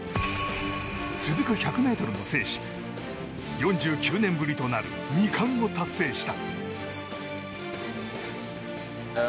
続く１００ｍも制し４９年ぶりとなる２冠を達成した。